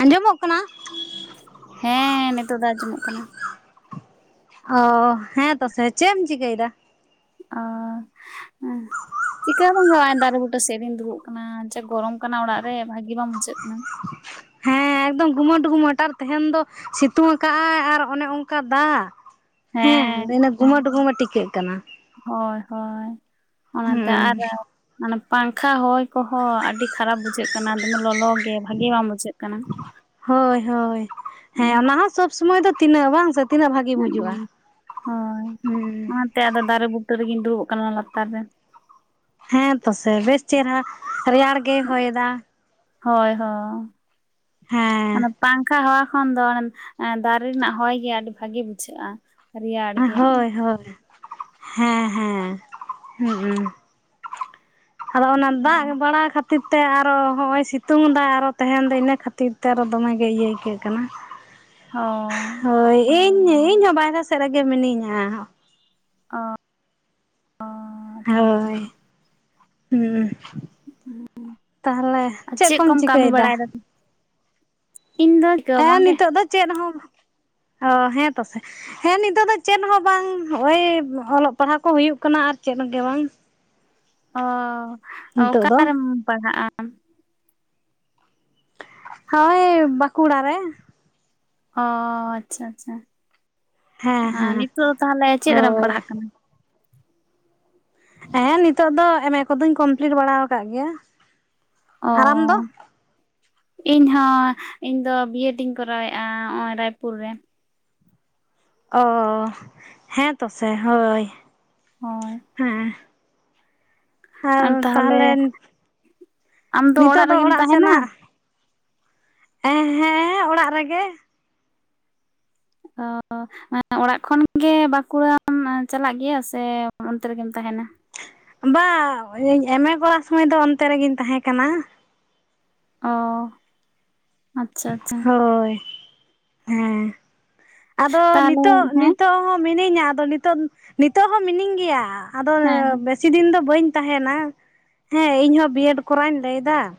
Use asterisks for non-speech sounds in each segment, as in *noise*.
ᱟᱸᱡᱚᱢᱚᱜ ᱠᱟᱱᱟ? ᱦᱮᱸ, ᱱᱤᱛᱚᱜ ᱫᱚ ᱟᱸᱡᱚᱢᱚᱜ ᱠᱟᱱᱟ᱾ ᱚ ᱦᱮᱸᱛᱚ ᱥᱮ ᱪᱮᱢ ᱮᱢ ᱪᱤᱠᱟᱹᱭ ᱮᱫᱟ? ᱚᱸᱻ᱾ *inaudible* ᱪᱤᱠᱟᱹ ᱦᱚ ᱵᱟᱝ ᱜᱮ᱾ ᱦᱚᱜᱼᱚᱭ ᱫᱟᱨᱮ ᱵᱩᱴᱟᱹ ᱥᱮᱡ ᱨᱤᱧ ᱫᱩᱲᱩᱵ ᱟᱠᱟᱱᱟ ᱟᱨ ᱡᱟ ᱜᱚᱨᱚᱢ ᱠᱟᱱᱟ᱾ ᱚᱲᱟᱜ ᱨᱮ ᱵᱷᱟᱹᱜᱤ ᱵᱟᱝ ᱵᱩᱡᱷᱟᱹᱜ ᱠᱟᱱᱟ᱾ ᱦᱮᱸ ᱮᱠᱫᱚᱢ ᱜᱩᱢᱟᱹᱴ ᱜᱩᱢᱟᱹᱴ ᱟᱨ ᱛᱮᱦᱮᱧ ᱫᱚ ᱥᱤᱛᱩᱝ ᱟᱠᱟᱫᱼ ᱟᱭ ᱟᱨ ᱚᱱᱮ ᱚᱱᱠᱟ ᱫᱟᱜ ᱦᱮᱸ, ᱜᱩᱢᱟᱹᱴ ᱜᱩᱢᱟᱹᱴ ᱴᱷᱤᱠᱟᱹᱜ ᱠᱟᱱᱟ᱾ ᱦᱳᱭ ᱦᱳᱭ, ᱚᱱᱟ ᱛᱮ ᱟᱨ ᱦᱩᱸ ᱢᱟᱱᱮ ᱯᱟᱝᱠᱷᱟ ᱦᱚᱭ ᱠᱚᱦᱚᱸ ᱟᱹᱰᱤ ᱠᱷᱟᱨᱟᱯ ᱵᱩᱡᱷᱟᱹᱜ ᱠᱟᱱᱟ, ᱫᱚᱢᱮ ᱞᱚᱞᱚ ᱜᱮ ᱵᱷᱟᱹᱜᱤ ᱵᱟᱝ ᱵᱩᱡᱷᱟᱹᱜ ᱠᱟᱱᱟ᱾ ᱦᱳᱭ ᱦᱳᱭ, ᱦᱮᱸ ᱚᱱᱟ ᱦᱚᱸ ᱥᱚᱵᱽ- ᱥᱚᱢᱚᱭ ᱫᱚ ᱛᱤᱱᱟᱹᱜ ᱵᱟᱝ ᱥᱮ ᱛᱤᱱᱟᱹᱜ ᱵᱷᱟᱜᱤ ᱵᱩᱡᱩᱜᱼᱟ ᱦᱮᱸ ᱦᱳᱭ ᱦᱩᱸ ᱴ, ᱚᱱᱟ ᱛᱮ ᱟᱫᱚ ᱫᱟᱨᱮ ᱵᱩᱴᱟᱹ ᱨᱮᱜᱮᱧ ᱫᱩᱲᱩᱵᱚ ᱟᱠᱟᱱᱟ᱾ ᱚᱱᱟ ᱞᱟᱛᱟᱨ ᱨᱮ᱾ ᱦᱮᱸ ᱛᱚ ᱥᱮ ᱵᱮᱥ ᱪᱮᱦᱨᱟ ᱨᱮᱭᱟᱲ ᱜᱮ ᱦᱚᱭ ᱮᱫᱟ ᱾ ᱦᱳᱭ ᱦᱚᱸ᱾ ᱦᱮᱸ ᱯᱟᱝᱠᱷᱟ ᱦᱟᱣᱟ ᱠᱷᱚᱱ ᱫᱚ ᱫᱟᱨᱮ ᱨᱮᱱᱟᱜ ᱦᱚᱭ ᱜᱮ ᱟᱹᱰᱤ ᱵᱷᱟᱹᱜᱤ ᱵᱩᱡᱷᱟᱹᱜᱼᱟ᱾ ᱨᱮᱭᱟᱲ ᱜᱮ ᱦᱳᱭ ᱦᱳᱭ, ᱦᱮᱸ ᱦᱮᱸ᱾ ᱟᱫᱚ ᱚᱱᱟ ᱫᱟᱜ ᱵᱟᱲᱟ ᱠᱷᱟᱹᱛᱤᱨ ᱛᱮ ᱟᱨᱚ ᱦᱚᱸᱜᱼᱚᱭ ᱥᱤᱛᱩᱝ ᱮᱫᱟ, ᱟᱨᱚ ᱛᱮᱦᱮᱱ ᱫᱚ ᱤᱱᱟᱹ ᱠᱷᱟᱹᱛᱤᱨ ᱱᱮᱛᱟᱨ ᱟᱨᱚ ᱫᱚᱢᱮ ᱜᱮ ᱤᱭᱟᱹ ᱟᱹᱭᱠᱟᱹᱜ ᱠᱟᱱᱟ? ᱦᱚᱸᱻ᱾ ᱦᱳᱭ, ᱤᱧ ᱤᱧᱦᱚᱸ ᱵᱟᱨᱦᱮ ᱥᱮᱫ ᱨᱮᱜᱮ ᱢᱤᱱᱟᱹᱧᱼᱟ᱾ ᱚᱸ᱾ ᱦᱳᱭ, ᱦᱩᱸ᱾ ᱛᱟᱦᱞᱮ ᱪᱮᱫ ᱠᱚᱢ ᱪᱤᱠᱟᱹᱭ ᱮᱫᱟ? ᱤᱧ ᱫᱚ ᱪᱤᱠᱟᱹ ᱦᱚᱸ ᱦᱮᱸ ᱵᱟᱝᱜᱮ ᱱᱤᱛᱚᱜ ᱫᱚ ᱪᱮᱫ? ᱦᱚᱸ ᱚ ᱦᱮᱸ ᱯᱟᱥᱮᱡ ᱦᱮᱸ ᱱᱤᱛᱚᱜ ᱫᱚ ᱪᱮᱫ ᱦᱚᱸ ᱵᱟᱝ, ᱱᱚᱜᱼᱚᱭ ᱚᱞᱚᱜ ᱯᱟᱲᱦᱟᱜ ᱠᱚ ᱦᱩᱭᱩᱜ ᱠᱟᱱᱟ ᱟᱨ ᱪᱮᱫ ᱜᱮ ᱵᱟᱝ᱾ ᱚ ᱱᱤᱛᱚᱜ ᱚᱠᱟ ᱫᱚ ᱨᱮᱢ ᱯᱟᱲᱦᱟᱜᱼᱟ? ᱦᱳᱭ, ᱵᱟᱸᱠᱩᱲᱟ ᱨᱮ ᱚ ᱟᱪᱪᱷᱟ ᱟᱪᱪᱷᱟ ᱦᱮᱸ ᱱᱤᱛᱚᱜ ᱫᱚ ᱛᱟᱦᱚᱴᱞᱮ ᱪᱮᱫ ᱨᱮᱢ ᱦᱳᱭ ᱯᱟᱲᱦᱟᱜ ᱠᱟᱱᱟ? ᱦᱮᱸ, ᱱᱤᱛᱚᱜ ᱫᱚ ᱮᱢ ᱮ ᱠᱚᱫᱚᱧ ᱠᱚᱢᱯᱤᱞᱴ ᱵᱟᱲᱟ ᱟᱠᱟᱫ ᱜᱮᱭᱟ ᱾ ᱚᱻ᱾ ᱤᱧ ᱦᱚᱸ ᱤᱧ ᱫᱚ ᱵᱤᱼᱮᱰ ᱤᱧ ᱠᱚᱨᱟᱣᱮᱫᱼᱟ, ᱱᱚᱜᱼᱚᱭ ᱨᱟᱭᱯᱩᱨ ᱨᱮ᱾ ᱚ ᱦᱮᱸ ᱛᱚ ᱥᱮ ᱦᱳᱭ ᱦᱳᱭ ᱦᱮᱸ, ᱟᱨ ᱛᱟᱦᱚᱞᱮ ᱟᱢ ᱫᱚ ᱚᱲᱟᱜ ᱨᱮᱜᱮᱢ ᱛᱟᱦᱮᱸᱱᱟ? ᱮᱸ ᱦᱮᱸ ᱚᱲᱟᱜ ᱨᱮᱜᱮ ᱾ *unintelligible* ᱚᱲᱟᱜ ᱠᱷᱚᱱᱜᱮ ᱵᱟᱸᱠᱩᱲᱟᱢ ᱪᱟᱞᱟᱜ ᱜᱮᱭᱟ ᱥᱮ ᱚᱱᱛᱮ ᱨᱮᱜᱮᱢ ᱛᱟᱦᱮᱸᱱᱟ? ᱵᱟ ᱮᱼᱢᱮ ᱠᱚᱨᱟᱣ ᱥᱚᱢᱚᱭ ᱫᱚ ᱚᱱᱛᱮ ᱨᱮᱜᱮᱤᱧ ᱛᱟᱦᱮᱸ ᱠᱟᱱᱟ ᱾ ᱚ ᱟᱪᱪᱷᱟ ᱟᱪᱪᱷᱟ ᱦᱳᱭ, ᱦᱮᱸ ᱟᱫᱚ ᱛᱟᱦᱚᱞᱮ ᱱᱤᱛᱚᱜ ᱦᱮᱸ ᱱᱤᱛᱚᱜ ᱦᱚᱸ ᱢᱤᱱᱟᱹᱧᱟ ᱟᱫᱚ ᱱᱤᱛ ᱱᱤᱛᱚᱜ ᱦᱚᱸ ᱢᱤᱱᱟᱹᱧ ᱜᱮᱭᱟ ᱾ ᱟᱫᱚ ᱦᱮᱸ ᱵᱮᱥᱤ ᱫᱤᱱ ᱫᱚ ᱵᱟᱹᱧ ᱛᱟᱦᱮᱸᱱᱟ ᱦᱮᱸ ᱤᱧ ᱦᱚᱸ ᱵᱤ ᱮᱰ ᱠᱚᱨᱟᱣᱤᱧ ᱞᱟᱹᱭ ᱫᱟ ᱾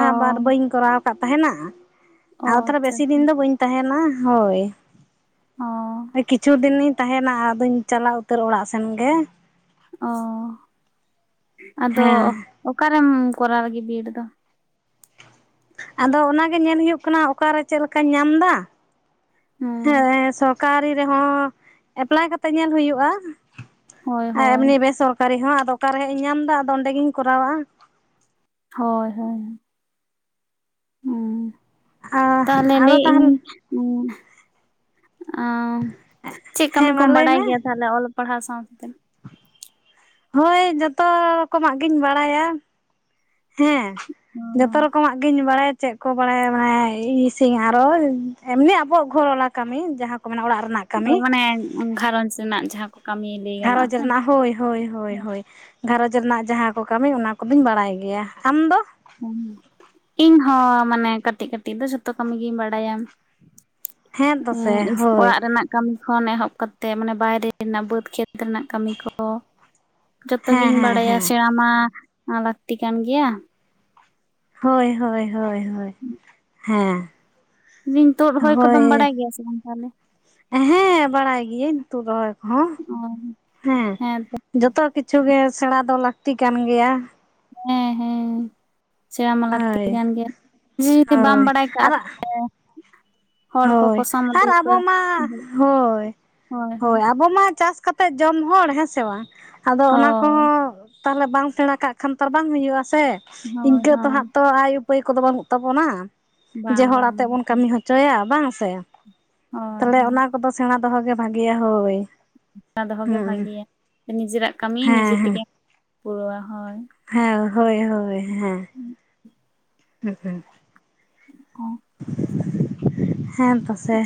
ᱚ ᱵᱟᱨ ᱵᱟᱹᱧ ᱠᱚᱨᱟᱣ ᱟᱠᱟᱫ ᱛᱟᱦᱮᱸᱱᱟ ᱚ ᱟᱨ ᱛᱟᱦᱚᱞᱮ ᱟᱪᱪᱷᱟ ᱵᱮᱥᱤ ᱫᱤᱱ ᱫᱚ ᱵᱟᱹᱧ ᱛᱟᱦᱮᱸᱱᱟ ᱾ ᱦᱳᱭ ᱾ ᱚ ᱠᱤᱪᱷᱩ ᱫᱤᱱᱤᱧ ᱛᱟᱦᱮᱸᱱᱟ ᱟᱫᱚᱧ ᱪᱟᱞᱟᱣ ᱩᱛᱟᱹᱨ ᱚᱲᱟᱜ ᱥᱮᱱ ᱜᱮ ᱾ ᱚ ᱟᱫᱚ ᱦᱮᱸ ᱚᱠᱟᱨᱮᱢ ᱠᱚᱨᱟᱣ ᱞᱟᱹᱜᱤᱫ ᱵᱤ ᱮᱰ ᱫᱚ? ᱟᱫᱚ ᱚᱱᱟᱜᱮ ᱧᱮᱞ ᱦᱩᱭᱩᱜ ᱠᱟᱱᱟ ᱚᱠᱟᱨᱮ ᱪᱮᱫ ᱞᱮᱠᱟᱧ ᱧᱟᱢ ᱫᱟ ᱦᱩᱸ ᱦᱮᱸ ᱥᱚᱨᱠᱟᱨᱤ ᱨᱮᱦᱚᱸ ᱮᱯᱞᱟᱭ ᱠᱟᱛᱮ ᱧᱮᱞ ᱦᱩᱭᱩᱜᱼᱟ ᱦᱳᱭ ᱟᱨ ᱦᱳᱭ ᱮᱢᱱᱤ ᱵᱮᱥᱚᱨᱠᱟᱨ ᱠᱟᱨᱤ ᱦᱚᱸ ᱟᱫᱚ ᱚᱠᱟᱨᱮ ᱤᱧ ᱧᱟᱢ ᱮᱫᱟ ᱟᱫᱚ ᱚᱸᱰᱮᱤᱧ ᱠᱚᱨᱟᱣᱟ ᱾ ᱦᱳᱭ ᱦᱳᱭ ᱾ ᱦᱩᱸ ᱛᱟᱦᱚᱞᱮ ᱟᱫᱚ ᱞᱟᱹᱭᱮ ᱛᱟᱦᱚᱞᱮ ᱤᱧ ᱩᱸ ᱟᱹ ᱪᱮᱫ ᱠᱟᱹᱢᱤ ᱦᱮᱸ ᱢᱟ ᱠᱚᱢ ᱞᱟᱹᱭ ᱵᱟᱲᱟᱭ ᱢᱮ ᱜᱮᱭᱟ ᱛᱟᱦᱞᱮ ᱚᱞ ᱯᱟᱲᱦᱟᱣ ᱥᱟᱶ ᱛᱮ? ᱦᱳᱭ ᱡᱚᱛᱚ ᱨᱚᱠᱚᱢᱟᱜ ᱜᱤᱧ ᱵᱟᱲᱟᱭᱟ ᱦᱮᱸ ᱾ ᱡᱚᱛᱚ ᱨᱚᱠᱚᱢᱟᱜ ᱜᱤᱧ ᱵᱟᱲᱟᱭ ᱪᱮᱫ ᱠᱚ ᱵᱟᱲᱟᱭᱟ ᱢᱟᱱᱮ ᱤᱥᱤᱱ ᱟᱨᱚ ᱮᱢᱱᱤ ᱟᱵᱚᱣᱟᱜ ᱜᱷᱚᱨᱚᱞᱟ ᱠᱟᱹᱢᱤ ᱡᱟᱦᱟᱸ ᱠᱚ ᱢᱮᱱᱟ ᱚᱲᱟᱜ ᱨᱮᱱᱟᱜ ᱾ ᱚ ᱢᱟᱱᱮ ᱜᱷᱟᱨᱚᱸᱡᱽ ᱨᱮᱱᱟᱜ ᱡᱟᱦᱟᱸ ᱠᱚ ᱾ ᱜᱷᱟᱨᱚᱸᱡᱽ ᱨᱮᱱᱟᱜ ᱦᱳᱭ ᱾ ᱦᱳᱭ ᱦᱳᱭ ᱦᱳᱭ, ᱜᱷᱟᱨᱚᱸᱡᱽ ᱨᱮᱱᱟᱜ ᱡᱟᱦᱟᱸ ᱠᱚ ᱠᱟᱹᱢᱤ ᱚᱱᱟ ᱠᱚᱫᱚᱧ ᱵᱟᱲᱟᱭ ᱜᱮᱭᱟ ᱾ ᱟᱢ ᱫᱚ? ᱤᱧ ᱦᱚᱸ ᱢᱟᱱᱮ ᱠᱟᱹᱴᱤᱡ ᱠᱟᱹᱴᱤᱡ ᱫᱚ ᱡᱷᱚᱛᱚ ᱠᱟᱹᱢᱤ ᱜᱤᱧ ᱵᱟᱲᱟᱭᱟ ᱾ ᱛᱚᱥᱮ ᱦᱮᱸ ᱦᱳᱭ ᱚᱲᱟᱜ ᱨᱮᱱᱟᱜ ᱠᱟᱹᱢᱤ ᱠᱷᱚᱱ ᱮᱦᱚᱵ ᱠᱟᱛᱮᱜ ᱢᱟᱱᱮ ᱵᱟᱭᱨᱮ ᱨᱮᱱᱟᱜ ᱵᱟᱹᱫᱽ ᱠᱷᱮᱛ ᱨᱮᱱᱟᱜ ᱠᱟᱹᱢᱤ ᱠᱚ ᱾ ᱡᱚᱛᱚ ᱦᱮᱸ ᱜᱤᱧ ᱦᱮᱸ ᱵᱟᱲᱟᱭᱟ ᱦᱮᱸ ᱥᱮᱬᱟ ᱢᱟ ᱞᱟᱹᱠᱛᱤ ᱠᱟᱱ ᱜᱮᱭᱟ ᱾ ᱦᱳᱭ ᱦᱳᱭ ᱦᱳᱭ ᱦᱳᱭ ᱦᱮᱸ, ᱛᱳᱫ ᱨᱚᱦᱚᱭ ᱦᱳᱭ ᱠᱚᱫᱚᱢ ᱵᱟᱲᱟᱭ ᱜᱮᱭᱟ ᱥᱮ ᱵᱟᱝ ᱛᱟᱦᱚᱞᱮ? ᱦᱮᱸ ᱵᱟᱲᱟᱭ ᱜᱤᱭᱟᱹᱧ ᱛᱩᱫ ᱨᱚᱦᱚᱭ ᱠᱚᱦᱚᱸ ᱚ ᱦᱮᱸ ᱡᱚᱛᱚ ᱡᱚᱛᱚ ᱠᱤᱪᱷᱩ ᱜᱮ ᱥᱮᱬᱟ ᱫᱚ ᱞᱟᱹᱠᱛᱤ ᱠᱟᱱ ᱜᱮᱭᱟ ᱾ ᱦᱮᱸ ᱦᱮᱸ ᱾ ᱥᱮᱬᱟ ᱢᱟ ᱞᱟᱹᱠᱛᱤ ᱦᱳᱭ ᱠᱟᱱ ᱜᱮᱭᱟ ᱡᱮ ᱡᱩᱫᱤ ᱵᱟᱢ ᱦᱳᱭ ᱵᱟᱲᱟᱭ ᱠᱟᱜᱼᱟ ᱟᱨ *unintelligible* ᱦᱚᱲ ᱠᱚᱠᱚ ᱦᱳᱭ ᱥᱟᱢ ᱤᱫᱤ ᱟᱨ ᱯᱮ ᱟᱵᱚ ᱢᱟ ᱦᱳᱭ ᱦᱳᱭ ᱟᱵᱚ ᱢᱟ ᱪᱟᱥ ᱠᱟᱛᱮᱜ ᱠᱟᱛᱮᱫ ᱡᱚᱢ ᱦᱚᱲ ᱦᱮᱸ ᱥᱮ ᱵᱟᱝ ᱟᱫᱚ ᱚᱱᱟ ᱦᱳᱭ ᱠᱚᱦᱚᱸ ᱛᱟᱦᱚᱞᱮ ᱵᱟᱝ ᱥᱮᱬᱟ ᱠᱟᱜ ᱠᱷᱟᱱ ᱛᱚ ᱵᱟᱝ ᱦᱩᱭᱩᱜᱼᱟ ᱥᱮ ᱦᱳᱭ ᱤᱱᱠᱟᱹ ᱛᱚ ᱦᱳᱭ ᱦᱟᱸᱜ ᱛᱚ ᱟᱭ ᱩᱯᱟᱹᱭ ᱠᱚᱫᱚ ᱵᱟᱹᱱᱩᱜ ᱛᱟᱵᱚᱱᱟ ᱡᱮ ᱵᱟᱝ ᱦᱚᱲ ᱵᱟᱝ ᱟᱛᱮᱮᱫ ᱵᱚᱱ ᱠᱟᱹᱢᱤ ᱦᱚᱪᱚᱭᱟ ᱵᱟᱝ ᱥᱮ? ᱦᱳᱭ ᱛᱟᱦᱚᱞᱮ ᱦᱳᱭ ᱚᱱᱟ ᱠᱚᱫᱚ ᱥᱮᱬᱟ ᱫᱚᱦᱚ ᱜᱮ ᱵᱷᱟᱜᱮᱭᱟ ᱦᱳᱭ ᱾ ᱥᱮᱬᱟ ᱫᱚᱦᱚ ᱜᱮ ᱵᱷᱟᱜᱮᱭᱟ ᱱᱤᱡᱮᱨᱟᱜ ᱠᱟᱹᱢᱤ ᱦᱮᱸ ᱱᱤᱡᱮ ᱦᱮᱸ ᱛᱮᱜᱮ ᱯᱩᱨᱟᱹᱣᱟ ᱦᱳᱭ᱾ ᱦᱮᱸ ᱦᱳᱭ ᱦᱳᱭ ᱦᱮᱸ ᱾ ᱚ ᱦᱮᱸ ᱯᱟᱥᱮ,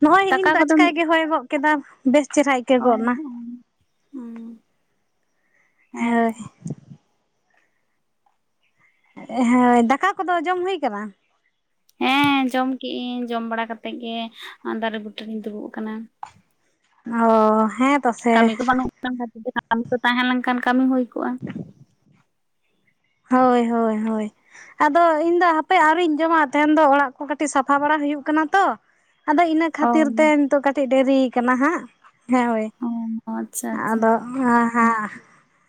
ᱱᱚᱜᱼᱚᱭ ᱫᱟᱠᱟ ᱤᱧ *unintelligible* ᱫᱚ ᱠᱚᱫᱚᱢ ᱟᱡᱠᱟ ᱜᱮᱭ ᱦᱚᱭ ᱠᱚ᱾ ᱠᱮᱫᱟ ᱾ ᱵᱮᱥ ᱪᱮᱦᱨᱟ ᱟᱹᱭᱠᱟᱹᱣ ᱚ ᱜᱚᱫ ᱱᱟ᱾ ᱦᱩᱸ᱾ ᱦᱮᱸ ᱦᱳᱭ ᱾ ᱦᱳᱭ, ᱫᱟᱠᱟ ᱠᱚᱫᱚ ᱡᱚᱢ ᱦᱩᱭ ᱟᱠᱟᱱᱟ? ᱦᱮᱸ ᱡᱚᱢ ᱠᱮᱜ ᱤᱧ, ᱡᱚᱢ ᱵᱟᱲᱟ ᱠᱟᱛᱮᱜ ᱜᱮ ᱫᱟᱨᱮ ᱵᱩᱴᱟᱹᱨᱤᱧ ᱫᱩᱲᱩᱵ ᱟᱠᱟᱱᱟ᱾ ᱚ ᱦᱮᱸᱼᱼ ᱠᱟᱹᱢᱤ ᱠᱚ ᱵᱟᱹᱱᱩᱜ ᱠᱷᱟᱱ ᱠᱷᱟᱹᱛᱤᱨ ᱛᱮ, ᱠᱟᱹᱢᱤ ᱠᱚ ᱛᱟᱦᱮᱸ ᱞᱮᱱᱠᱷᱟᱱ ᱠᱟᱹᱢᱤ ᱦᱩᱭ ᱠᱚᱜᱼᱟ᱾ ᱦᱳᱭ, ᱦᱳᱭ, ᱦᱳᱭ᱾ ᱟᱫᱚ ᱤᱧ ᱫᱚ ᱦᱟᱯᱮ ᱟᱹᱣᱨᱤᱧ ᱡᱚᱢᱟ᱾ ᱛᱮᱧ ᱫᱚ ᱚᱲᱟᱜ ᱠᱚ ᱠᱟᱹᱴᱤᱡ ᱥᱟᱯᱷᱟ ᱵᱟᱲᱟ ᱦᱩᱭᱩᱜ ᱠᱟᱱᱟ ᱛᱚ᱾ ᱟᱫᱚ ᱤᱱᱟᱹ ᱚ ᱠᱷᱟᱹᱛᱤᱨ ᱛᱮ ᱱᱤᱛᱚᱜ ᱠᱟᱹᱴᱤᱡ ᱫᱮᱨᱤ ᱠᱟᱱᱟ ᱦᱟᱸᱜ, ᱦᱮᱸ ᱦᱳᱭ, ᱚ ᱟᱪᱪᱷᱟ ᱟᱪᱪᱷᱟ ᱟᱫᱚ᱾ ᱚ ᱦᱮᱸ ᱦᱮᱸ᱾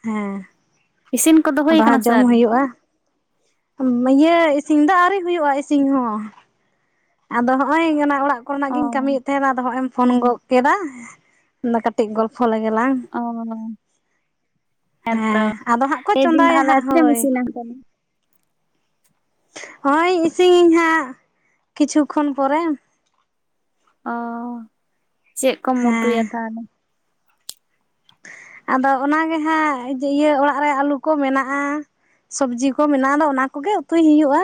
ᱦᱮᱸ ᱤᱥᱤᱱ ᱠᱚᱫᱚ ᱦᱩᱭ ᱟᱫᱚ ᱠᱟᱱᱟ ᱦᱟᱸᱜ ᱥᱮ ᱡᱚᱢ ᱟᱹᱣᱨᱤ? ᱦᱩᱭᱩᱜᱼᱟ ᱤᱭᱟᱹ ᱤᱥᱤᱱ ᱫᱚ ᱟᱹᱣᱨᱤ ᱦᱩᱭᱩᱜᱼᱟ ᱾ ᱤᱥᱤᱱ ᱦᱚᱸ᱾ ᱟᱫᱚ ᱦᱚᱸᱜ ᱚᱭ ᱚᱱᱟ ᱚᱲᱟᱜ ᱠᱚ ᱨᱮᱱᱟᱜ ᱚ ᱜᱤᱧ ᱠᱟᱹᱢᱤᱭ ᱮᱫ ᱛᱟᱦᱮᱱᱟ ᱾ ᱟᱫᱚ ᱦᱚᱸᱜᱼᱚᱭ ᱮᱢ ᱯᱷᱳᱱ ᱜᱚᱫ ᱠᱮᱫᱟ ᱾ ᱟᱫᱚ ᱠᱟᱹᱴᱤᱡ ᱜᱚᱞᱯᱷᱚ ᱞᱮᱜᱮ ᱞᱟᱝ᱾ ᱚ ᱦᱮᱸᱛᱚ ᱦᱮᱸ, ᱟᱫᱚ ᱦᱟᱸᱜ ᱠᱚ ᱞᱟᱹᱭᱫᱟᱹᱧ ᱪᱚᱸᱫᱟᱭᱟ ᱛᱟᱦᱚᱞᱮ ᱦᱟᱸᱜ ᱛᱤᱨᱮᱢ ᱦᱳᱭ᱾ ᱤᱥᱤᱱᱟ ᱛᱟᱦᱚᱞᱮ? ᱦᱳᱭ ᱤᱥᱤᱱᱤᱧ ᱦᱟᱸᱜ, ᱠᱤᱪᱷᱩ ᱠᱷᱚᱱ ᱯᱚᱨᱮ᱾ ᱚ, ᱪᱮᱜ ᱠᱚᱢ ᱦᱮᱸ ᱩᱛᱩᱭᱟ ᱛᱟᱦᱚᱞᱮ? ᱟᱫᱚ ᱚᱱᱟᱜᱮ ᱦᱟᱸᱜ ᱤᱭᱟᱹ, ᱚᱲᱟᱜ ᱨᱮ ᱟᱹᱞᱩ ᱠᱚ ᱢᱮᱱᱟᱜᱼᱟ᱾ ᱥᱚᱵᱽᱡᱤ ᱠᱚ ᱢᱮᱱᱟᱜᱼᱟ ᱫᱚ᱾ ᱚᱱᱟ ᱠᱚᱜᱮ ᱩᱛᱩᱭ ᱦᱩᱭᱩᱜᱼᱟ᱾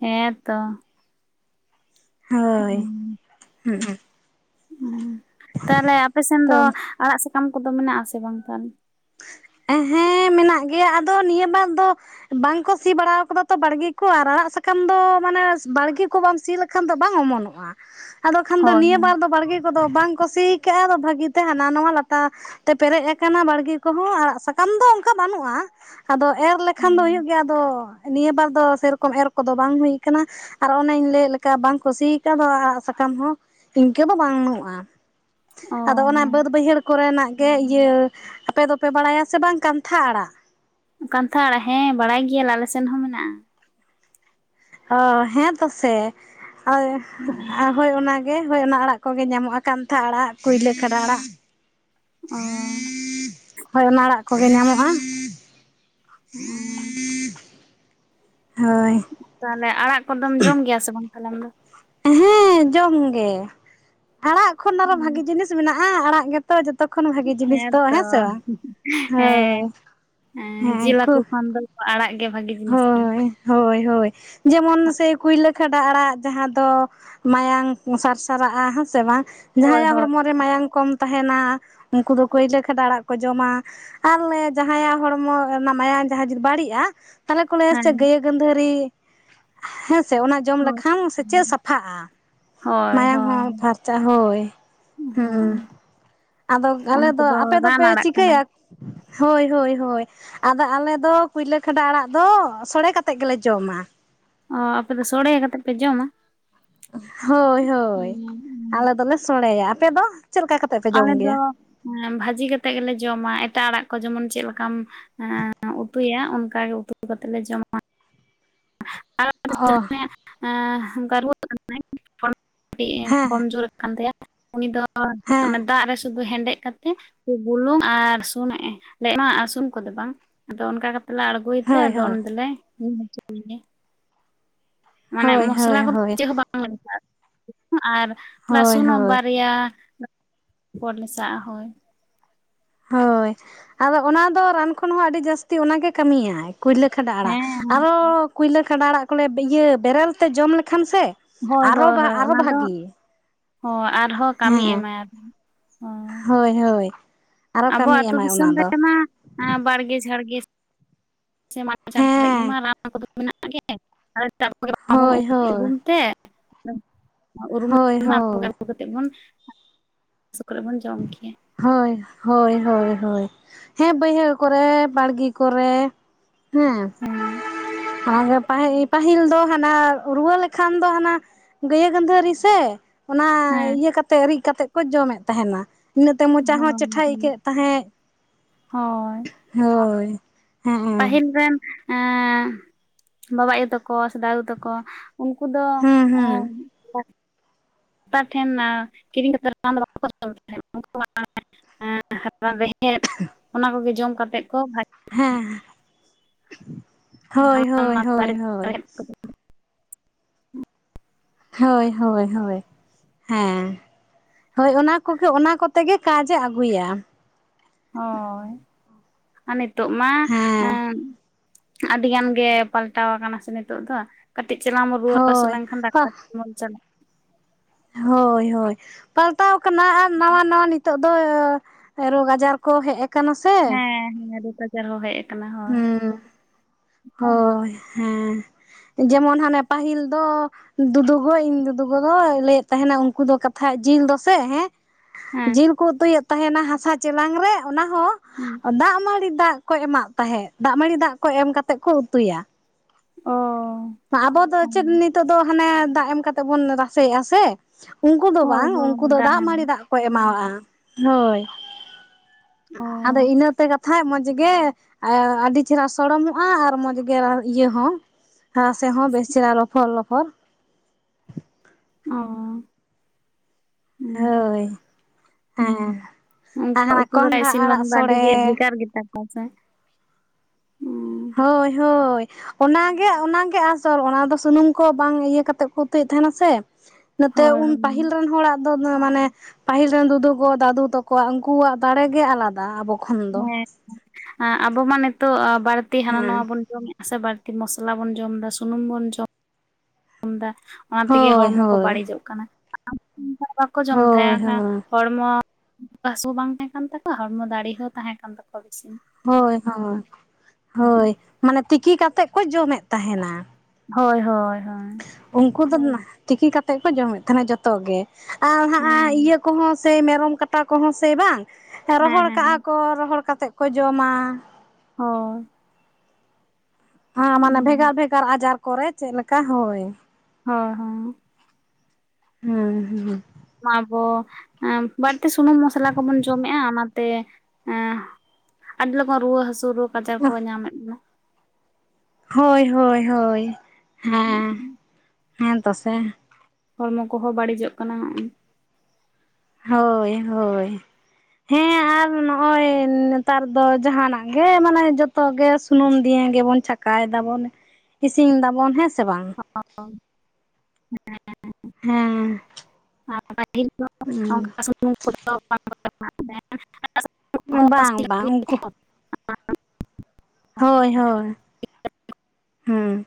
ᱦᱮᱸ ᱛᱚ᱾ ᱦᱳᱭ, ᱦᱩᱸ᱾ ᱚ, ᱛᱟᱦᱚᱞᱮ ᱟᱯᱮᱥᱮᱱ ᱛᱚ ᱫᱚ ᱟᱲᱟᱜ ᱥᱟᱠᱟᱢ ᱠᱚᱫᱚ ᱢᱮᱱᱟᱜ ᱟᱥᱮ ᱵᱟᱝ ᱛᱟᱦᱚᱞᱮ? ᱦᱮᱸ ᱢᱮᱱᱟᱜ ᱜᱮᱭᱟ᱾ ᱟᱫᱚ ᱱᱤᱭᱟᱹ ᱵᱟᱨ ᱫᱚ᱾ ᱵᱟᱝᱠᱚ ᱥᱤ ᱵᱟᱲᱟ ᱟᱠᱟᱫᱟ ᱛᱚ ᱵᱟᱲᱜᱮ ᱠᱚ᱾ ᱟᱨ ᱟᱲᱟᱜ ᱥᱟᱠᱟᱢ ᱫᱚ ᱢᱟᱱᱮ ᱵᱟᱲᱜᱮ ᱠᱚ ᱵᱟᱢ ᱥᱤᱼᱼ ᱠᱷᱟᱱ ᱫᱚ ᱵᱟᱝ ᱚᱢᱚᱱᱚᱜᱼᱟ ᱾ᱟᱫᱚ ᱠᱷᱟᱱ ᱫᱚ ᱦᱳᱭ ᱱᱤᱭᱟᱹ ᱵᱟᱨ ᱫᱚ ᱵᱟᱲᱜᱮᱼᱼ ᱠᱚᱫᱚ ᱵᱟᱝ ᱠᱩᱥᱤᱠᱟᱜᱼᱟ ᱾ᱟᱫᱚ ᱵᱷᱟᱹᱜᱤᱛᱮ ᱦᱟᱱᱟ ᱱᱚᱣᱟ ᱞᱟᱛᱟᱨ ᱛᱮ ᱯᱮᱨᱮᱡ ᱟᱠᱟᱱᱟ ᱵᱟᱲᱜᱮ ᱠᱚᱦᱚᱸ᱾ ᱥᱟᱠᱟᱢ ᱫᱚ ᱚᱱᱠᱟ ᱵᱟᱹᱱᱩᱜᱼᱟ᱾ ᱟᱫᱚ ᱮᱨ ᱞᱮᱠᱷᱟᱱ ᱫᱚ ᱦᱳᱭ᱾ ᱦᱩᱭᱩᱜ ᱜᱮᱭᱟ᱾ ᱫᱚ, ᱱᱤᱭᱟᱹ ᱵᱟᱨ ᱫᱚ ᱥᱮᱨᱚᱠᱚᱢ ᱮᱨ ᱠᱚᱫᱚ ᱵᱟᱝ ᱦᱩᱭ ᱟᱠᱟᱱᱟ᱾ ᱟᱨ ᱚᱱᱮᱧ ᱞᱟᱹᱭ ᱞᱮᱠᱟ ᱵᱟᱝ ᱠᱚ ᱥᱤ ᱠᱟᱣᱫᱟ *unintelligible* ᱟᱲᱟᱜ ᱥᱟᱠᱟᱢ ᱦᱚᱸ᱾ ᱤᱱᱠᱟᱹ ᱫᱚ ᱵᱟᱹᱱᱩᱜᱼᱟ᱾ ᱚ ᱟᱫᱚ ᱚᱱᱟ ᱵᱟᱹᱫ ᱵᱟᱹᱭᱦᱟᱹᱲ ᱠᱚ ᱨᱮᱱᱟᱜ ᱜᱮ ᱤᱭᱟᱹ, ᱟᱯᱮ ᱫᱚᱯᱮ ᱵᱟᱲᱟᱭᱟ ᱥᱮ ᱵᱟᱝ ᱠᱟᱱᱛᱷᱟ ᱟᱲᱟᱜ᱾ ᱠᱟᱱᱛᱷᱟ ᱟᱲᱟᱜ, ᱦᱮᱸ ᱵᱟᱲᱟᱭ ᱜᱮᱭᱟᱞᱮ ᱟᱞᱮ ᱥᱮᱱ ᱦᱚᱸ ᱢᱮᱱᱟᱜᱼᱟ᱾ ᱚ ᱦᱮᱸ ᱛᱚ ᱥᱮ, *unintelligible* ᱦᱳᱭ ᱦᱩᱸ, ᱚ ᱦᱳᱭ ᱚᱱᱟᱜᱮ᱾ ᱦᱳᱭ ᱚᱱᱟ ᱟᱲᱟᱜ ᱠᱚᱜᱮ ᱧᱟᱢᱚᱜᱼᱟ᱾ ᱠᱟᱱᱛᱷᱟ ᱟᱲᱟᱜ, ᱠᱩᱭᱞᱟᱹ ᱠᱷᱟᱰᱟ ᱟᱲᱟᱜ᱾ ᱚ ᱦᱳᱭ ᱚᱱᱟ ᱟᱲᱟᱜ ᱠᱚᱜᱮ ᱧᱟᱢᱚᱜᱼᱟ᱾ ᱚᱸ ᱦᱳᱭ᱾ ᱛᱟᱦᱚᱞᱮ ᱟᱲᱟᱜ ᱠᱚᱫᱚᱢ ᱡᱚᱢ ᱜᱮᱭᱟ ᱥᱮ ᱵᱟᱝ ᱛᱟᱦᱚᱞᱮ ᱟᱢ ᱫᱚ? ᱦᱮᱸ ᱡᱚᱢᱜᱮ, ᱟᱲᱟᱜ ᱠᱷᱚᱱ ᱟᱨᱚ ᱦᱩᱸ, ᱵᱷᱟᱜᱤ ᱡᱤᱱᱤᱥ ᱢᱮᱱᱟᱜᱼᱟ? ᱟᱲᱟᱜ ᱜᱮᱼᱼ ᱛᱚ ᱡᱚᱛᱚ ᱠᱷᱚᱱ ᱵᱷᱟᱜᱮ ᱡᱤᱱᱤᱥ ᱫᱚ, ᱦᱮᱸᱛᱚ ᱦᱮᱸ ᱥᱮ ᱵᱟᱝ? ᱦᱮᱸ ᱡᱤᱞ ᱦᱟᱹᱠᱩ ᱠᱷᱚᱱ ᱫᱚ ᱟᱲᱟᱜ ᱜᱮ ᱵᱷᱟᱜᱤ᱾ ᱡᱤᱱᱤᱥ ᱠᱟᱱᱟ ᱦᱳᱭ, ᱦᱳᱭ, ᱦᱳᱭ ᱡᱮᱢᱚᱱ ᱥᱮ ᱠᱩᱭᱞᱟᱹ ᱠᱷᱟᱰᱟ ᱟᱲᱟᱜ ᱡᱟᱦᱟᱸ ᱫᱚᱼᱼ ᱢᱟᱭᱟᱝ ᱥᱟᱨᱥᱟᱨᱟᱜᱼᱟ ᱦᱮᱸᱥᱮ ᱵᱟᱝ, ᱦᱳᱭ ᱡᱟᱦᱟᱸᱭᱟᱜ ᱦᱳᱭ ᱦᱚᱲᱢᱚᱼᱼ ᱦᱚᱲᱢᱚ ᱨᱮ ᱢᱟᱭᱟᱝ ᱠᱚᱢ ᱛᱟᱦᱮᱱᱟ ᱩᱱᱠᱩ ᱫᱚ ᱠᱩᱭᱞᱟᱹ ᱠᱷᱟᱹᱴ ᱟᱲᱟᱜ ᱠᱚ ᱡᱚᱢᱟ᱾ ᱟᱨ ᱞᱮ ᱡᱟᱦᱟᱸᱭᱟᱜ ᱦᱚᱲᱢᱚ ᱨᱮᱱᱟᱜ ᱢᱟᱭᱟᱝ ᱡᱟᱦᱟᱸ ᱡᱩᱫᱤ ᱵᱟᱹᱲᱤᱡᱼᱟ ᱛᱟᱞᱦᱮ ᱠᱚ ᱞᱟᱹ ᱭᱟ ᱥᱮ ᱦᱮᱸ ᱪᱮᱫ ᱜᱟᱹᱭᱟᱹ ᱜᱟᱹᱫᱷᱟᱹᱨᱤ ᱦᱮᱸ ᱥᱮ ᱚᱱᱟ ᱡᱚᱢ ᱦᱳᱭ ᱞᱮᱠᱷᱟᱱ ᱥᱮ ᱪᱮᱫ ᱥᱟᱯᱷᱟᱜᱼᱟ᱾ ᱦᱳᱭ ᱢᱟᱭᱟᱝ ᱦᱳᱭ ᱦᱚᱸ ᱯᱷᱟᱨᱪᱟ ᱦᱳᱭ, ᱦᱩᱸᱜ-ᱩᱸ᱾ ᱦᱳᱭ ᱟᱫᱚ ᱟᱞᱮ ᱚᱱᱟ ᱫᱚ ᱠᱚᱫᱚ ᱟᱯᱮ ᱨᱟᱱ ᱫᱚᱯᱮ ᱟᱲᱟᱜ ᱠᱟᱱᱟ ᱪᱤᱠᱟᱹᱭᱟ? ᱦᱳᱭ ᱦᱳᱭ ᱦᱳᱭ᱾ ᱟᱫᱚ ᱟᱞᱮ ᱫᱚ ᱠᱩᱭᱞᱟᱹ ᱠᱷᱟᱰᱟ ᱟᱲᱟᱜ ᱫᱚ ᱥᱚᱲᱮ ᱠᱟᱛᱮᱫ ᱜᱮᱞᱮ ᱡᱚᱢᱟ᱾ ᱚ ᱟᱯᱮ ᱫᱚ ᱥᱳᱲᱮ ᱠᱟᱛᱮᱫ ᱯᱮ ᱡᱚᱢᱟ? ᱦᱳᱭ ᱦᱳᱭ, ᱟᱞᱮ ᱫᱚᱞᱮ ᱥᱚᱲᱮᱭᱟ, ᱟᱯᱮ ᱫᱚ ᱪᱮᱫ ᱞᱮᱠᱟ ᱠᱟ ᱟᱞᱮ ᱫᱚ ᱵᱷᱟᱹᱡᱤ ᱠᱟᱛᱮᱜ ᱜᱮᱞᱮ ᱡᱚᱢᱟ, ᱮᱴᱟᱜ ᱟᱲᱟᱜ ᱠᱚ ᱡᱮᱢᱚᱱ ᱪᱮᱫ ᱞᱮᱠᱟᱢ ᱮᱸ ᱩᱛᱩᱭᱟ ᱚᱱᱠᱟ ᱜᱮ ᱩᱛᱩ ᱠᱟᱛᱮᱜ ᱞᱮ ᱡᱚᱢᱟ᱾ *inaudible* ᱮᱸ ᱚ *inaudible* ᱦᱮᱸ ᱠᱚᱢ ᱡᱳᱨ᱾ ᱠᱟᱱ ᱛᱟᱭᱟ ᱩᱱᱤ ᱫᱚ ᱦᱮᱸ ᱚᱱᱟ ᱫᱟᱜ ᱨᱮ *inaudible* ᱦᱮᱸᱰᱮᱡ ᱠᱟᱛᱮ ᱵᱩᱞᱩᱝ ᱟᱨ *inaudible* ᱠᱚᱫᱚ ᱵᱟᱝ᱾ ᱟᱫᱚ ᱚᱱᱠᱟ ᱠᱟᱛᱮ ᱞᱮ ᱟᱬᱜᱚᱭ ᱛᱮ ᱦᱳᱭ ᱟᱫᱚ ᱩᱱ ᱦᱳᱭ ᱫᱚᱞᱮ ᱧᱩ ᱦᱚᱪᱚᱭᱮᱭᱟ᱾ ᱢᱟᱱᱮ ᱦᱳᱭ ᱢᱚᱥᱞᱟ ᱦᱳᱭ ᱦᱳᱭ *inaudible* ᱪᱮᱫ ᱦᱚᱸ ᱵᱟᱝ᱾ *inaudible* ᱟᱨ ᱦᱳᱭ ᱨᱟᱥᱩᱱ ᱚᱸ ᱦᱳᱭ ᱵᱟᱨᱭᱟ *inaudible* ᱯᱚᱨ ᱢᱮᱥᱟᱣᱟᱜ-ᱟ ᱦᱳᱭ᱾ ᱦᱳᱭ, ᱟᱫᱚ ᱚᱱᱟ ᱫᱚ ᱨᱟᱱ ᱠᱷᱚᱱ ᱦᱚᱸ ᱟᱹᱰᱤ ᱡᱟᱹᱥᱛᱤ ᱚᱱᱟ ᱜᱮ ᱠᱟᱹᱢᱤᱭᱟᱭ᱾ ᱠᱩᱭᱞᱟᱹ ᱠᱷᱟᱰᱟ ᱟᱲᱟᱜ, ᱦᱮᱸ ᱟᱨᱚ ᱠᱩᱭᱞᱟᱹ ᱠᱷᱟᱰᱟ ᱟᱲᱟᱜ ᱠᱚ ᱞᱟᱹᱭᱟ, ᱤᱭᱟᱹ ᱵᱮᱨᱮᱞ ᱛᱮ ᱡᱚᱢ ᱞᱮᱠᱷᱟᱱ ᱥᱮ ᱦᱳᱭ ᱟᱨᱚ ᱦᱳᱭ ᱦᱳᱭ ᱟᱨᱚ ᱚᱱᱟ ᱫᱚ, ᱵᱷᱟᱜᱤ ᱦᱚᱸ ᱟᱨᱦᱚᱸ ᱠᱟᱹᱢᱤ ᱦᱮᱸ ᱮᱢᱟᱭ᱾ ᱦᱳᱭ ᱦᱳᱭ᱾ ᱟᱨᱚ ᱟᱵᱚ ᱠᱟᱹᱢᱤ ᱟᱹᱛᱩ ᱮᱢᱟᱭ ᱚᱱᱟ ᱫᱤᱥᱚᱢ ᱫᱚ ᱨᱮᱢᱟ ᱮᱸ ᱵᱟᱲᱜᱮ ᱡᱷᱟᱲᱜᱮ ᱥᱮ ᱢᱟᱫᱽ ᱡᱷᱟᱲ ᱠᱚᱨᱮᱜ ᱜᱮ ᱦᱮᱸ ᱢᱟ ᱨᱟᱱ ᱠᱚᱫᱚ ᱢᱮᱱᱟᱜ ᱜᱮ᱾ ᱦᱳᱭ *inaudible* ᱦᱳᱭ ᱩᱨᱩᱢ ᱛᱮ ᱦᱳᱭ *inaudible* ᱟᱹᱜᱩ ᱦᱳᱭ ᱠᱟᱛᱮᱫ ᱵᱚᱱ, ᱦᱟᱹᱥᱩ ᱠᱚᱨᱮᱜ ᱵᱚᱱ ᱡᱚᱢ ᱜᱮᱭᱟ᱾ ᱦᱳᱭ ᱦᱳᱭ ᱦᱳᱭ ᱦᱳᱭ, ᱦᱮᱸ ᱵᱟᱹᱭᱦᱟᱹᱲ ᱠᱚᱨᱮ ᱵᱟᱲᱜᱮ ᱠᱚᱨᱮ ᱦᱮᱸ᱾ ᱦᱮᱸᱱ᱾ ᱟᱨ ᱯᱟᱦᱤ ᱯᱟᱹᱦᱤᱞ ᱫᱚ ᱦᱟᱱᱟ ᱨᱩᱣᱟᱹ ᱞᱮᱠᱷᱟᱱ ᱫᱚ ᱦᱟᱱᱟ ᱜᱟᱹᱭᱟᱹ ᱜᱟᱺᱫᱷᱟᱹᱨᱤ ᱥᱮ, ᱚᱱᱟ ᱦᱮᱸ ᱤᱭᱟᱹ ᱠᱟᱛᱮ ᱨᱤᱫ ᱠᱟᱛᱮᱫ ᱠᱚ ᱡᱚᱢᱮᱫ ᱛᱟᱦᱮᱱᱟ᱾ ᱤᱱᱟᱹᱜ ᱛᱮ ᱢᱚᱪᱟ ᱦᱚᱸ ᱦᱳᱭ ᱪᱮᱴᱷᱟ ᱦᱮᱸ ᱟᱹᱭᱠᱟᱹᱜ ᱛᱟᱦᱮᱸᱜ, ᱦᱳᱭ ᱦᱳᱭ᱾ ᱦᱮᱸ ᱦᱮᱸ ᱯᱟᱹᱦᱤᱞ ᱨᱮᱱ ᱮᱸ ᱵᱟᱵᱟ ᱟᱭᱳ ᱛᱟᱠᱚ ᱥᱮ ᱫᱟᱫᱩ ᱛᱟ ᱠᱚ ᱩᱱᱠᱩ ᱫᱚ ᱮᱸ ᱦᱮᱸ ᱛᱟᱨ ᱴᱷᱮᱱ ᱮᱸ ᱠᱤᱨᱤᱧ ᱠᱟᱛᱮ ᱨᱟᱱ ᱫᱚ ᱵᱟᱠᱚ ᱡᱚᱢᱮᱫ *inaudible* *inaudible* ᱚᱱᱟ ᱠᱚᱜᱮ ᱡᱚᱢ ᱠᱟᱛᱮᱜ ᱠᱚ ᱵᱷᱟ ᱦᱮᱸ, ᱦᱳᱭ ᱦᱳᱭ ᱫᱟᱨᱮ ᱦᱳᱭ ᱦᱳᱭ᱾ *inaudible* ᱦᱳᱭ ᱦᱳᱭ ᱦᱳᱭ, ᱦᱮᱸ᱾ ᱦᱳᱭ ᱚᱱᱟ ᱠᱚᱜᱮ ᱚᱱᱟ ᱠᱚᱛᱮ ᱜᱮ ᱠᱟᱡᱮ ᱟᱹᱜᱩᱭᱟ᱾ ᱦᱳᱭ, ᱟᱨ ᱱᱤᱛᱚᱜ ᱢᱟ ᱦᱮᱸ ᱮᱸ ᱟᱹᱰᱤ ᱜᱟᱱ ᱜᱮ ᱯᱟᱞᱴᱟᱣ ᱟᱠᱟᱱᱟ ᱥᱮ ᱱᱤᱛᱚᱜ ᱫᱚ᱾ ᱠᱟᱹᱴᱤᱡ ᱪᱟᱞᱟᱝ ᱵᱚ ᱨᱩᱣᱟᱹ ᱦᱟᱹᱥᱩ ᱦᱳᱭ ᱞᱮᱱᱠᱷᱟᱱ ᱰᱟᱠᱛᱟᱨ ᱴᱮᱱᱵᱚᱱ ᱪᱟᱞᱟᱜᱼᱟ᱾ ᱦᱳᱭ ᱦᱳᱭ, ᱯᱟᱞᱴᱟᱣ ᱠᱟᱱᱟ ᱟᱨ ᱱᱟᱣᱟ ᱱᱟᱣᱟ ᱱᱤᱛᱳᱜ ᱫᱚ ᱮ ᱨᱳᱜᱽ ᱟᱡᱟᱨ ᱠᱚ ᱦᱮᱡ ᱟᱠᱟᱱᱟ ᱥᱮ? ᱦᱮᱸ ᱦᱮᱸ ᱨᱳᱜ ᱟᱡᱟᱨ ᱦᱚᱸ ᱦᱮᱡ ᱟᱠᱟᱱᱟ ᱦᱳᱭ᱾ ᱦᱩᱸ ᱦᱳᱭ ᱦᱮᱸ ᱡᱮᱢᱚᱱ ᱦᱟᱱᱮ ᱯᱟᱹᱦᱤᱞ ᱫᱚᱼᱼ ᱫᱩᱫᱩ-ᱜᱚᱜᱚ ᱤᱧ ᱫᱩᱫᱩᱜᱚ ᱫᱚᱭ ᱞᱟᱹᱭᱮᱫ ᱛᱟᱦᱮᱱᱟ᱾ ᱩᱱᱠᱩ ᱫᱚ ᱠᱟᱛᱷᱡ ᱡᱤᱞ ᱫᱚᱥᱮ ᱦᱮᱸᱼᱼ ᱦᱮᱸ ᱡᱤᱞ ᱠᱚ ᱩᱛᱩᱭᱮᱫ ᱛᱟᱦᱮᱱᱟ ᱾ᱦᱟᱥᱟ ᱪᱮᱞᱟᱝ ᱨᱮ, ᱚᱱᱟ ᱦᱚᱸ ᱦᱮᱸ ᱫᱟᱜ ᱢᱟᱹᱲᱤ ᱫᱟᱜᱼᱼ ᱠᱚ ᱮᱢᱟᱜ ᱛᱟᱦᱮᱸᱫ, ᱫᱟᱜᱽ ᱢᱟᱹᱲᱤ ᱫᱟᱜᱽ ᱠᱚ ᱮᱢ ᱠᱟᱛᱮᱫ ᱠᱚ ᱩᱛᱩᱭᱟ᱾ ᱚᱻ ᱟᱵᱚ ᱫᱚ ᱪᱮᱫ ᱱᱤᱛᱚᱜ ᱫᱚ ᱦᱟᱱᱮᱸ ᱫᱟᱜᱽ ᱮᱢ ᱠᱟᱛᱮᱜ ᱵᱚᱱ ᱨᱟᱥᱮᱫᱼᱟ ᱥᱮ᱾ ᱩᱱᱠᱩ ᱫᱚ ᱦᱳᱭ ᱵᱟᱝ᱾ ᱩᱱᱠᱩ ᱦᱳᱭ ᱫᱚ ᱫᱟᱜᱽ ᱫᱟᱦᱮᱸ ᱢᱟᱹᱲᱤ ᱫᱟᱜᱽ ᱠᱚ ᱨᱮᱢᱟ ᱦᱳᱭ ᱚ ᱟᱫᱚ ᱤᱱᱟᱹᱛᱮ ᱠᱟᱛᱷᱟᱡ ᱢᱚᱡᱽ ᱜᱮ ᱮ ᱟᱹᱰᱤ ᱪᱮᱦᱨᱟ ᱥᱚᱲᱚᱢᱚᱜᱼᱟ ᱾ᱟᱨ ᱢᱚᱡᱽ ᱜᱮ ᱤᱭᱟᱹ ᱦᱚᱸ ᱨᱟᱥᱮ ᱦᱚᱸ ᱵᱮᱥ ᱪᱮᱨᱦᱟ ᱞᱚᱯᱷᱚᱨ- ᱞᱚᱯᱷᱚᱨ ᱚᱻ ᱦᱳᱭ ᱦᱮᱸ ᱟᱨ ᱩᱱᱠᱩ ᱦᱟᱱᱟ ᱩᱛᱩ ᱫᱚᱸ ᱠᱚᱸᱦᱰᱟ ᱤᱥᱤᱱ ᱵᱟᱝ ᱟᱲᱟᱜ ᱫᱚ ᱟᱹᱰᱤᱜᱮ ᱥᱚᱲᱮ ᱵᱷᱽᱮᱜᱟᱨ ᱜᱮᱛᱟ ᱠᱚᱣᱟ ᱥᱮ ᱦᱩᱸ, ᱦᱳᱭ, ᱦᱳᱭ ᱚᱱᱟᱜᱮ, ᱚᱱᱟᱜᱮ ᱟᱥᱚᱞ ᱚᱱᱟ ᱫᱚ ᱥᱩᱱᱩᱢ ᱠᱚ ᱵᱟᱝ ᱤᱭᱟᱹ ᱠᱟᱛᱮᱫ ᱠᱚ, ᱩᱛᱩᱭᱮᱫ ᱛᱟᱦᱮᱱᱟ ᱥᱮᱺ ᱱᱚᱛᱮ ᱦᱳᱭ ᱩᱱ ᱦᱳᱭ ᱯᱟᱹᱟᱦᱤᱞ ᱨᱮᱱ ᱦᱚᱲᱟ-ᱜ ᱢᱟᱱᱮ ᱯᱟᱹᱦᱤᱞ ᱨᱮᱱ ᱫᱩᱫᱩ ᱠᱚ ᱫᱟᱫᱩ ᱛᱟᱠᱚᱣᱟ᱾ ᱩᱱᱠᱩᱣᱟᱜ ᱫᱟᱲᱮᱜ ᱜᱮ ᱟᱞᱟᱫᱟ ᱾ᱟᱵᱚ ᱠᱷᱚᱱ ᱫᱚ ᱦᱮᱸ ᱟᱵᱚ ᱢᱟ ᱱᱤᱛᱚᱜ ᱵᱟᱹᱲᱛᱤᱸ ᱦᱟᱱᱟ ᱦᱮᱸ ᱱᱟᱣᱟ ᱵᱚᱱ᱾ ᱡᱚᱢᱮ-ᱟ ᱥᱮ ᱵᱟᱹᱲᱛᱤ ᱢᱚᱥᱞᱟ ᱵᱚᱱ ᱡᱚᱢ ᱮᱫᱟ ᱾ ᱥᱩᱱᱩᱢ ᱵᱚᱱ ᱡᱚᱢ ᱫᱟ᱾ ᱡᱚᱢᱫᱟ ᱚᱱᱟ ᱛᱮᱜᱮ ᱦᱳᱭ ᱦᱚᱲᱢᱚ ᱠᱚ ᱦᱳᱭ ᱵᱟᱹᱲᱤᱡᱚᱜ ᱠᱟᱱᱟ ᱾ ᱵᱟᱠᱚ ᱡᱚᱢ ᱦᱳᱭ ᱛᱟᱦᱮᱸ ᱟᱨ ᱦᱳᱭ ᱦᱚᱲᱢᱚ᱾ ᱦᱚᱲᱢᱚᱥ ᱦᱚᱸ ᱵᱟᱝ ᱛᱟᱦᱮᱸ ᱠᱟᱱ ᱛᱟᱠᱚᱣᱟ᱾ ᱦᱚᱲᱢᱚ ᱫᱟᱲᱮᱸ ᱦᱚᱸ ᱛᱟᱦᱮᱸ ᱠᱟᱱ ᱛᱟᱠᱚᱣᱟ᱾ ᱵᱮᱥᱤ ᱦᱳᱭ, ᱦᱳᱭ, ᱦᱩᱸ, ᱦᱳᱭ ᱢᱟᱱᱮ ᱛᱤᱠᱤ ᱠᱟᱛᱮᱫ ᱠᱚ ᱡᱚᱢᱮᱫ ᱛᱟᱦᱮᱱᱟ᱾ ᱦᱳᱭ, ᱦᱳᱭ, ᱦᱳᱭ᱾ ᱩᱱᱠᱩ ᱫᱚ ᱛᱤᱠᱤ ᱠᱟᱛᱮᱫ ᱠᱚ ᱡᱚᱢᱮᱫ ᱛᱟᱦᱮᱱᱟ᱾ ᱡᱚᱛᱚ ᱜᱮ, ᱟᱨ ᱦᱮᱸ ᱦᱟᱸᱜ ᱤᱭᱟᱹ ᱠᱚᱦᱚᱸ ᱥᱮ ᱢᱮᱨᱚᱢ ᱠᱟᱴᱟ ᱠᱚᱦᱚᱸ ᱥᱮ ᱵᱟᱝ ᱾ ᱦᱮᱸ ᱨᱚᱦᱚᱲ ᱦᱮᱸ ᱠᱟᱜᱼᱟ ᱠᱚ ᱨᱚᱦᱚᱲ ᱠᱟᱛᱮ ᱠᱚ ᱡᱚᱢᱟ᱾ ᱦᱳᱭ ᱦᱮᱸ ᱢᱟᱱᱮ ᱦᱩᱸ, ᱵᱷᱽᱮᱜᱟᱨ - ᱵᱷᱽᱮᱜᱟᱨ ᱟᱡᱟᱨ ᱠᱚᱨᱮ ᱪᱮᱫ ᱞᱮᱠᱟ ᱦᱳᱭ ᱦᱳᱭ, ᱦᱳᱭ ᱦᱩᱸ ᱦᱩᱸ ᱟᱵᱚ ᱵᱟᱹᱲᱛᱤ ᱥᱩᱱᱩᱢ ᱢᱚᱥᱞᱟ ᱠᱚᱵᱚᱱ ᱡᱚᱢᱮᱫᱼᱟ᱾ ᱚᱱᱟᱛᱮ ᱮᱸ ᱟᱹᱰᱤ ᱞᱚᱜᱚᱱ ᱨᱩᱣᱟᱹ ᱦᱟᱹᱥᱩ ᱨᱳᱜ ᱟᱡᱟᱨ ᱦᱩᱸ ᱠᱚᱼᱠᱚ ᱧᱟᱢᱮᱫ ᱵᱱᱟ᱾ ᱦᱳᱭ, ᱦᱳᱭ, ᱦᱳᱭ ᱦᱮᱸ ᱦᱮᱸ ᱛᱚ ᱥᱮ ᱦᱚᱲᱢᱚ ᱠᱚᱼᱦᱚᱸ ᱵᱟᱹᱲᱤᱡᱚ-ᱜ ᱠᱟᱱᱟ᱾ ᱦᱳᱭ, ᱦᱳᱭ ᱦᱮᱸ ᱟᱨ ᱱᱚᱜᱼᱚᱭ ᱱᱮᱛᱟᱨ ᱫᱚ ᱡᱟᱦᱟᱱᱟ-ᱜ ᱜᱮ ᱢᱟᱱᱮ-ᱼ ᱡᱚᱛᱚ ᱜᱮ ᱥᱩᱱᱩᱢ ᱫᱤᱭᱮ ᱜᱮᱵᱚᱱ ᱪᱷᱟᱠᱟᱭ ᱫᱟᱵᱚᱱ᱾ ᱤᱥᱤᱱ ᱫᱟᱵᱚᱱ ᱦᱮᱸᱥᱮ ᱥᱮ ᱵᱟᱝ᱾ ᱦᱮᱸ ᱟᱨ ᱯᱟᱹᱦᱤᱞ ᱫᱚ ᱱᱚᱝᱠᱟ ᱥᱩᱱᱩᱢ ᱠᱚᱼᱫᱚ ᱵᱟᱝ *unintelligible* ᱠᱟᱱᱟ, ᱵᱟᱝ, ᱥᱤ ᱵᱟᱝ, ᱞᱟᱹᱜᱤᱫ ᱠᱚ ᱩᱝᱠᱩ ᱦᱳᱭ, ᱦᱳᱭ ᱦᱩᱸ᱾